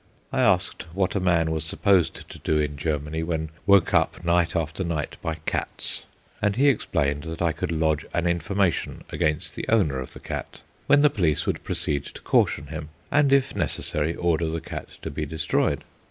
I asked what a man was supposed to do in Germany when woke up night after night by cats, and he explained that I could lodge an information against the owner of the cat, when the police would proceed to caution him, and, if necessary, order the cat to be destroyed.